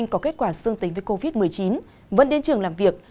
có kết quả dương tính với covid một mươi chín vẫn đến trường làm việc